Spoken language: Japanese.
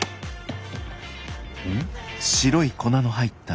うん？